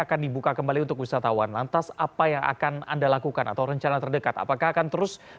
akan dibuka kembali untuk wisatawan lantas apa yang akan anda lakukan atau rencana terdekat